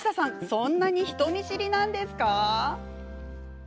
そんなに人見知りなんですか？